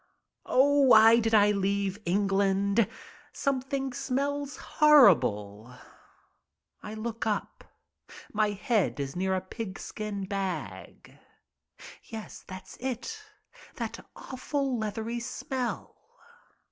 Oh, why did I leave England? Something smells horrible. I look up. My head is near a new pigskin bag. Yes, that's it, that awful leathery smell.